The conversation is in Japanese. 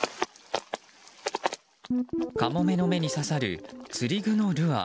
カモメの目に刺さる釣り具のルアー。